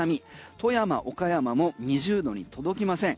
富山、岡山も２０度に届きません